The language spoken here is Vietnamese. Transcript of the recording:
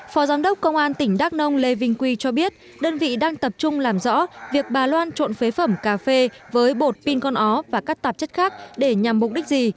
phó giám đốc công an tỉnh đắk nông lê vinh quy cho biết đơn vị đang tập trung làm rõ việc bà loan trộn phế phẩm cà phê với bột pin con ó và các tạp chất khác để nhằm mục đích gì